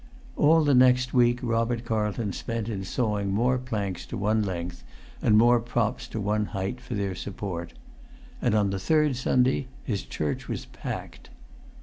All the next week Robert Carlton spent in sawing more planks to one length, and more props to one height for their support. And on the third Sunday his church was packed.